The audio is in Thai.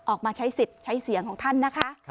ออกมาใช้สิทธิ์ใช้เสียงของท่านนะคะ